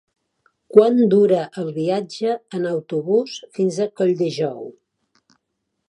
Quant dura el viatge en autobús fins a Colldejou?